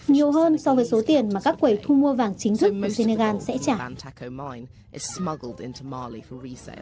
nhiều hơn so với số tiền mà các quầy thu mua vàng chính thức mà senegal sẽ trả